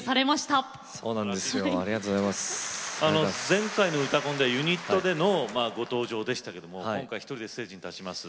前回の「うたコン」ではユニットでのご登場でしたけど今回一人でステージに立ちます。